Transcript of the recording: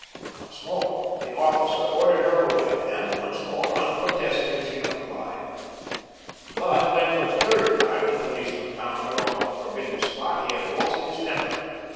Once more, the officer ordered her away, and once more, unprotesting, she complied. But when for the third time the policeman found her on the forbidden spot, he had lost his temper.